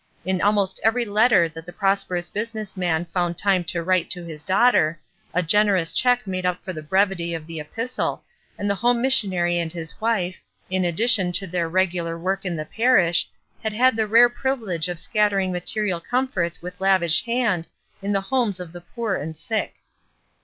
In almost every letter that the prosperous business man foxmd time to write to his daughter, a generous check made up for the brevity of the epistle, and the home missionary and his wife, in addition to their regular work in the parish, had had the rare privilege of scattering material comforts with lavish hand in the homes of the poor and sick.